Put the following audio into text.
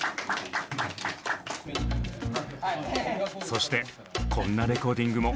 そしてこんなレコーディングも。